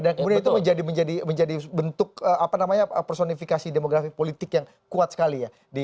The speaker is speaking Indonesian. dan kemudian itu menjadi bentuk personifikasi demografi politik yang kuat sekali ya